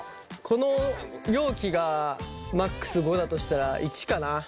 この容器がマックス５だとしたら１かな。